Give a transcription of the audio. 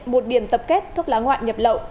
một điểm tập kết thuốc lá ngoạn nhập lậu